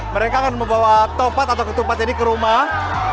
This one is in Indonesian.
mereka akan membawa tomat atau ketupat ini ke rumah